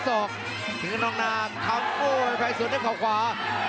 สิงค์กระนองหน้าทำโอ้ไวไฟสวนด้วยขาวขวา